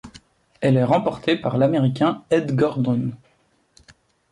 Elle est remportée par l'Américain Ed Gordon.